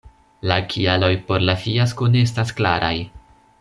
La kialoj por la fiasko ne estas klaraj.